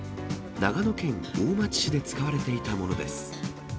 長野県大町市で使われていたものです。